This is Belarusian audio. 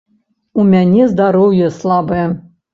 У мяне здароўе слабае.